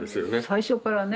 最初からね